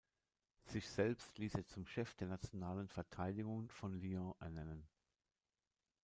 Sich selbst ließ er zum Chef der nationalen Verteidigung von Lyon ernennen.